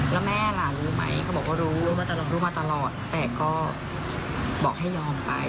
แล้วแม่ล่ะรู้ไหมก็บอกว่ารู้รู้มาตลอดแต่ก็บอกให้ยอมไป